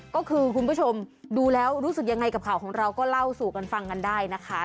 ก็คือคุณผู้ชมดูแล้วรู้สึกยังไงกับข่าวของเราก็เล่าสู่กันฟังกันได้นะคะ